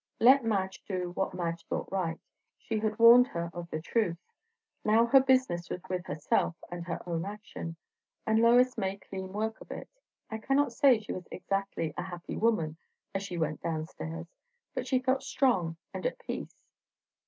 Let Madge do what Madge thought right; she had warned her of the truth. Now her business was with herself and her own action; and Lois made clean work of it. I cannot say she was exactly a happy woman as she went down stairs; but she felt strong and at peace.